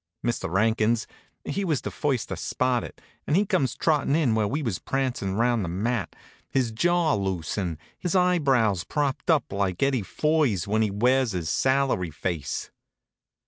Mister 'Ankins, he was the first to spot it, and he comes trottin' in where we was prancin' around the mat, his jaw loose, and his eyebrows propped up like Eddie Foy's when he wears his salary face.